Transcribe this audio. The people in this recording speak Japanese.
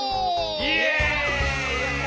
イエイ！